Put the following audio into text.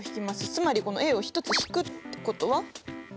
つまりこのを１つ引くってことは？